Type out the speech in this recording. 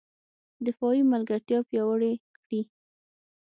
دفاعي ملګرتیا پیاوړې کړي